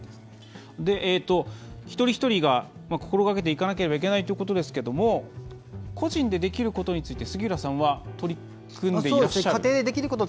一人一人が心がけていかなければいけないということですけれども個人でできることについて杉浦さんは取り組んでいらっしゃる。